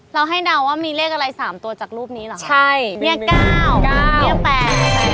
เราให้นำว่ามีเลขอะไร๓ตัวจากรูปนี้เหรอนี่๙นี่๘